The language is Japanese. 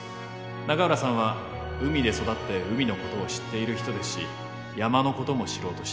永浦さんは海で育って海のことを知っている人ですし山のことも知ろうとしている。